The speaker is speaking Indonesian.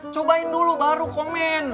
cobain dulu baru komen